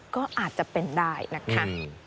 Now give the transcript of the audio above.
ก็อาจจะเป็นได้นะคะ